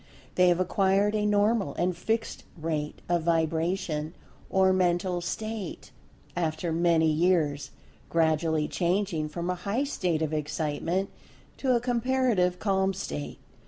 They have acquired a normal and fixed rate of Vibration, or Mental State, after many years, gradually changing from a high state of Excitement, to a comparative calm state.